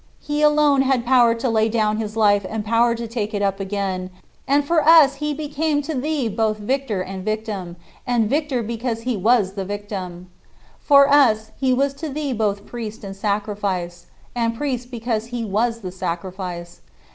" He alone had power to lay down his life and power to take it up again, and for us he became to thee both Victor and Victim; and Victor because he was the Victim. For us, he was to thee both Priest and Sacrifice, and Priest because he was the Sacrifice.